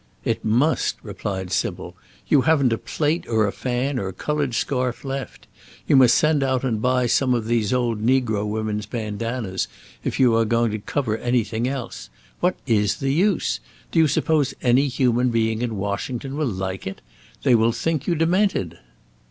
"It must," replied Sybil. "You haven't a plate or a fan or coloured scarf left. You must send out and buy some of these old negro women's bandannas if you are going to cover anything else. What is the use? Do you suppose any human being in Washington will like it? They will think you demented."